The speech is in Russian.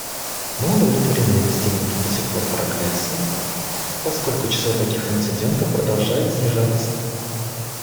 Мы удовлетворены достигнутым до сих пор прогрессом, поскольку число таких инцидентов продолжает снижаться.